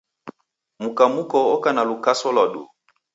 Mka muko oka na lukaso lwa duu